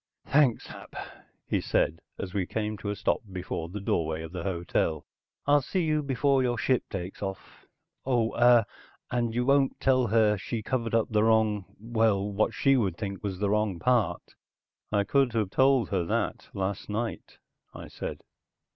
"Thanks, Hap," he said as we came to a stop before the doorway of the hotel. "I'll see you before your ship takes off. Oh ah you won't tell her she covered up the wrong well what she would think was the wrong part?" "I could have told her that last night," I said.